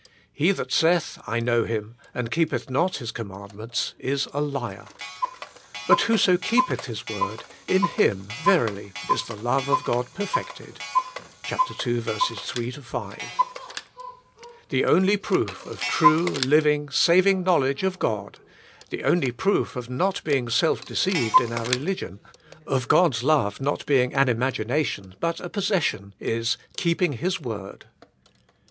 He that saith, I 58 The Inner Chamber know Him, and Keepeth not His command ments, is a liar. But Whoso Keepeth His word, in him verily is the love of God perfected" (ii. 3 5). The only proof of true, living, saving knowledge of God; the only proof of not being self deceived in our religion; of God's love not being an imagination, but a possession, is, keeping His word.